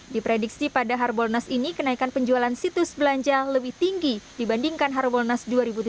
diprediksi pada harbolnas ini kenaikan penjualan situs belanja lebih tinggi dibandingkan harbolnas dua ribu tujuh belas